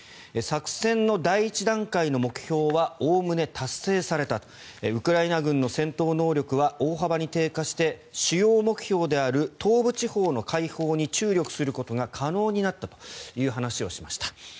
作戦の第１段階の目標はおおむね達成されたウクライナ軍の戦闘能力は大幅に低下して主要目標である東部地方の解放に注力することが可能になったという話をしました。